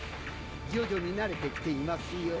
徐々に慣れてきていますよ。